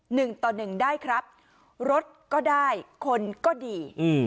หนึ่งต่อหนึ่งได้ครับรถก็ได้คนก็ดีอืม